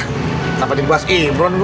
kenapa dibuat imron dulu